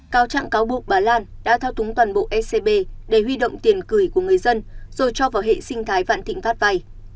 cao trạng cáo buộc bà lan đã thao túng toàn bộ scb để huy động tiền cửi của người dân rồi cho vào hệ sinh thái vạn thịnh phát vay